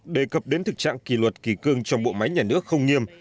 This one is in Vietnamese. đề cập đến thực trạng kỳ luật kỳ cương trong bộ máy nhà nước không nghiêm